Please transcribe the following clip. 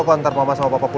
keki gak suka tuh bu